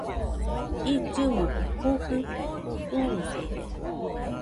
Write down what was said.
illɨmo jujɨ susude